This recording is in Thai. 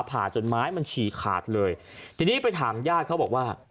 ผ่าจนไม้มันฉี่ขาดเลยทีนี้ไปถามญาติเขาบอกว่า